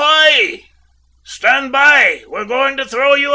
Stand by. We're going to throw you a rope!"